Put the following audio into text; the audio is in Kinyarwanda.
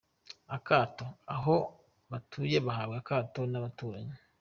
Akato : Aho batuye bahabwa akato n’abaturanyi.